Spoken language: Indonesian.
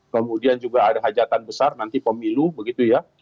kemudian juga ada hajatan besar nanti pemilu begitu ya